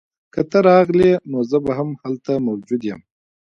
که ته راغلې نو زه به هم هلته موجود یم